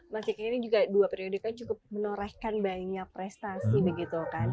mas kiki ini juga dua periode kan cukup menorehkan banyak prestasi begitu kan